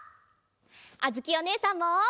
あづきおねえさんも！